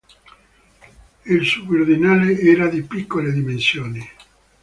Il suborbitale era di piccole dimensioni.